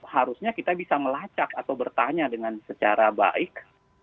harusnya kita bisa melacak atau bertanya dengan secara baik